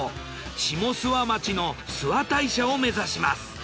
下諏訪町の諏訪大社を目指します。